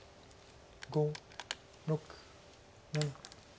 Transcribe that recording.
５６７。